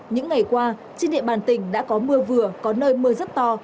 những ngày qua trên địa bàn tỉnh đã có mưa vừa có nơi mưa rất to